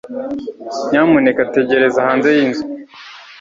nyamuneka tegereza hanze yinzu